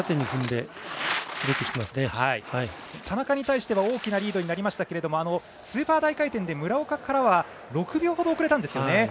田中に対しては大きなリードになりましたがスーパー大回転で村岡からは６秒ほど遅れたんですよね。